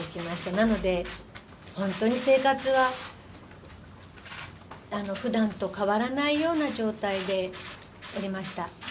なので、本当に生活はふだんと変わらないような状態でおりました。